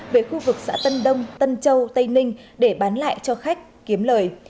về khu vực xã tân đông tân châu tây ninh để bán lại cho khách kiếm lời